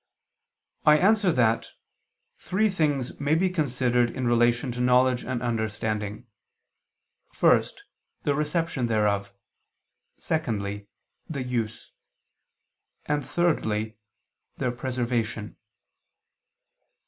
I answer that, Three things may be considered in relation to knowledge and understanding: first, the reception thereof; secondly, the use; and thirdly, their preservation.